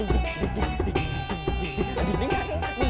gue dibuka bang